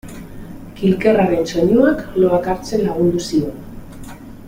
Kilkerraren soinuak loak hartzen lagundu zion.